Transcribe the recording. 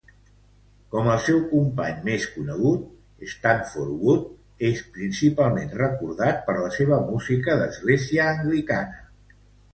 Com el seu company més conegut, Stanford, Wood és principalment recordat per la seva música d'església anglicana.